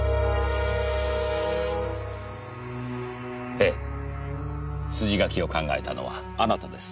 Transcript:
ええ筋書きを考えたのはあなたです。